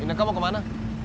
indra kau mau kemana